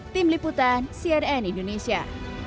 tim liputan cnn indonesia